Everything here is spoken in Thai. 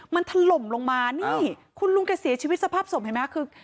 มันถล่มลงมานี่คุณลุงแกเสียชีวิตสภาพศพเห็นไหมคือ